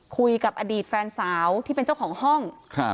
คุยกับอดีตแฟนสาวที่เป็นเจ้าของห้อง